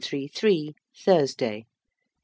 Thursday.